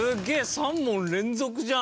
３問連続じゃん。